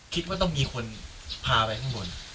คิดว่าต้องมีคนพาไปข้างบน